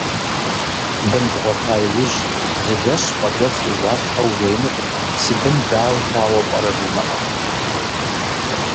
Бын бгъуэта иужь, зы жэщ пӏэкӏуэцӏ уигъуалъхьэу ужеинукъым, си бын дау хъуауэ пӏэрэ жумыӏэу.